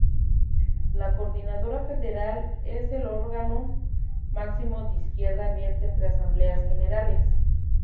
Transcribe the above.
La Coordinadora Federal es el órgano máximo de Izquierda Abierta entre asambleas generales.